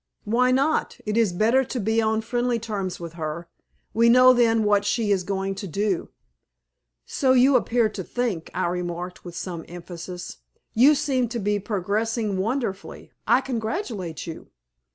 "Why not? It is better to be on friendly terms with her. We know then what she is going to do." "So you appear to think," I remarked, with some emphasis. "You seem to be progressing wonderfully. I congratulate you."